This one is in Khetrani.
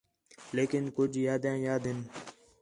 لیکن کُج یادیاں یاد ہیاں